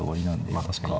まあ確かに。